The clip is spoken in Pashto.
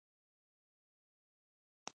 په غېږ کې يې ونيو.